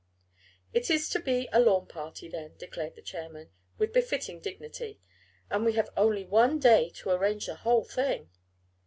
"It is to be a lawn party then," declared the chairman, with befitting dignity. "And we have only one day to arrange the whole thing."